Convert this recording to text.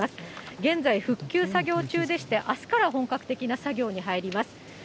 現在、復旧作業中でして、あすから本格的な作業に入ります。